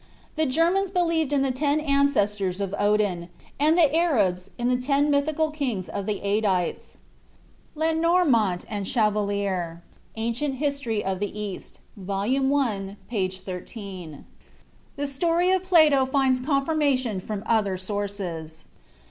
The Germans believed in the ten ancestors of Odin, and the Arabs in the ten mythical kings of the Adites." (Lenormant and Chevallier, "Anc. Hist. of the East," vol. i., p. 13.) The story of Plato finds confirmation from other sources.